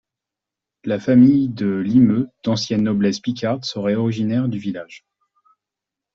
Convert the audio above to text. La famille De Limeu, d'ancienne noblesse picarde, serait originaire du village.